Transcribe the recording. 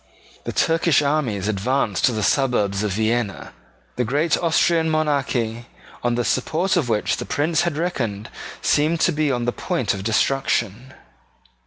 The Turkish armies advanced to the suburbs of Vienna. The great Austrian monarchy, on the support of which the Prince had reckoned, seemed to be on the point of destruction.